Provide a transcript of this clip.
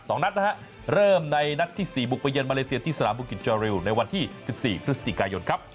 สองนัดนะฮะเริ่มในนัดที่สี่บุกไปเย็นมาเลเซียที่สนามบุกิจจอริวในวันที่สิบสี่พฤศจิกายนครับ